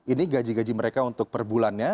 ini gaji gaji mereka untuk perbulannya